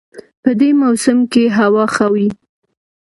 په دې موسم کې هوا ښه وي